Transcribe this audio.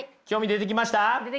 出てきました。